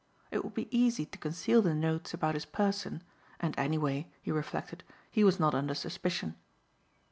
It would be easy to conceal the notes about his person, and, anyway, he reflected, he was not under suspicion.